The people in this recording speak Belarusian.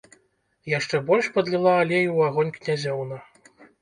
Яшчэ больш падліла алею ў агонь князёўна.